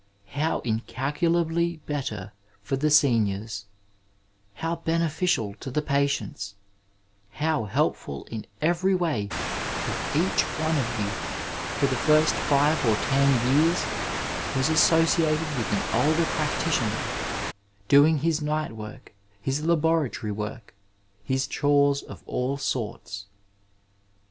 How incalculably better for the seniors, how beneficial to the patiento, how helpful in every way if each one of you, for the first five or ten years, was associated with an older practitioner, doing lijg night work, his laboratory work, his chores of all sorts.